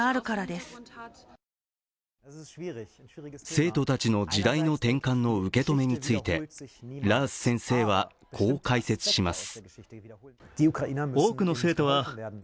生徒たちの時代の転換の受け止めについてラース先生はこう解説します。